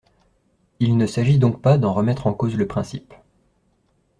Il ne s’agit donc pas d’en remettre en cause le principe.